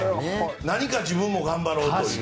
何か自分も頑張ろうという。